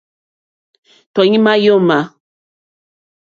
Tɔ̀ímá yǒmà.